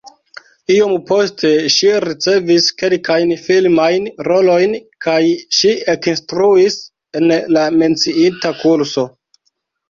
Iom poste ŝi ricevis kelkajn filmajn rolojn kaj ŝi ekinstruis en la menciita kurso.